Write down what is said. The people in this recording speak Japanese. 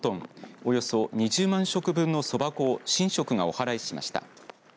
およそ２０万食分のそば粉を神職がおはらいしました。